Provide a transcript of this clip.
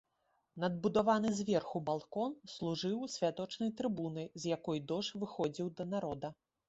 Надбудаваны зверху балкон служыў святочнай трыбунай, з якой дож выходзіў да народа.